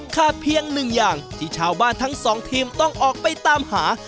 เพียงหนึ่งอย่างที่ชาวบ้านทั้งสองทีมต้องออกไปตามหา